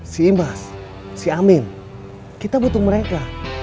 si imbas si amin kita butuh mereka